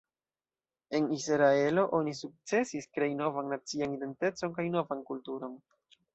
En Israelo oni sukcesis krei novan nacian identecon kaj novan kulturon.